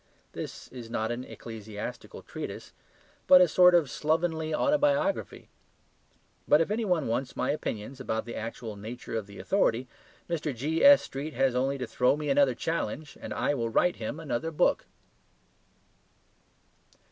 This is not an ecclesiastical treatise but a sort of slovenly autobiography. But if any one wants my opinions about the actual nature of the authority, Mr. G.S.Street has only to throw me another challenge, and I will write him another book.